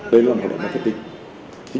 đây là một hoạt động marketing